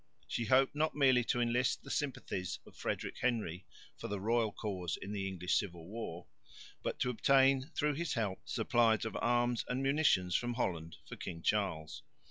She hoped not merely to enlist the sympathies of Frederick Henry for the royal cause in the English civil war, but to obtain through his help supplies of arms and munitions from Holland for King Charles.